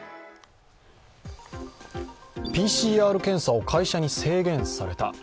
ＰＣＲ検査を会社に制限された、